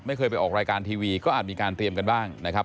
เคยไปออกรายการทีวีก็อาจมีการเตรียมกันบ้างนะครับ